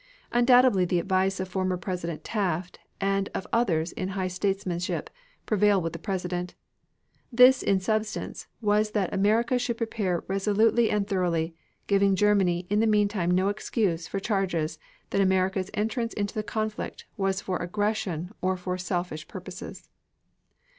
Undoubtedly the advice of former President Taft and of others high in statesmanship, prevailed with the President. This in substance was that America should prepare resolutely and thoroughly, giving Germany in the meantime no excuse for charges that America's entrance into the conflict was for aggression or for selfish purposes.